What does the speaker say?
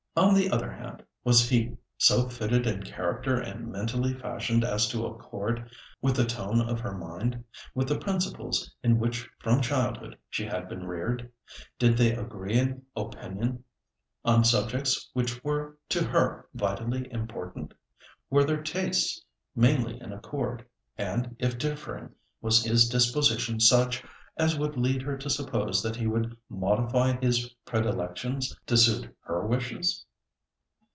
On the other hand, was he so fitted in character and mentally fashioned as to accord with the tone of her mind, with the principles in which from childhood she had been reared? Did they agree in opinion on subjects which were to her vitally important? Were their tastes mainly in accord? and if differing, was his disposition such as would lead her to suppose that he would modify his predilections to suit her wishes?